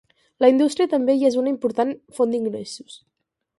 La indústria també hi és una important font d'ingressos.